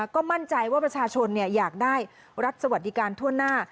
ก็มั่นใจว่าประชาชนอยากได้รัฐสวัสดิการทั่วหน้า